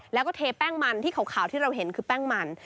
แล้วก็เทแป้งมันที่ขาวที่เราเห็นคือแป้งมัน